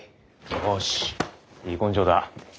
よしいい根性だ。